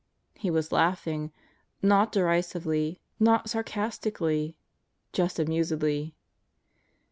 He was laughing. Not derisively. Not sarcastically. Just amusedly.